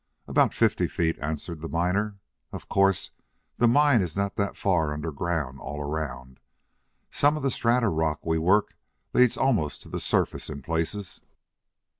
"About fifty feet," answered the miner. "Of course the mine is not that far underground all around. Some of the strata of rock we work lead almost to the surface in places."